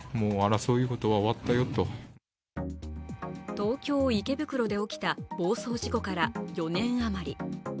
東京・池袋で起きた暴走事故から４年あまり。